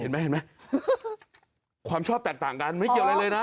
เห็นไหมเห็นไหมความชอบแตกต่างกันไม่เกี่ยวอะไรเลยนะ